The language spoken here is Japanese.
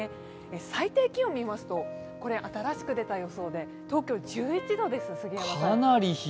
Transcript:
最低気温を見ますと、新しく出た予想で東京は１１度です。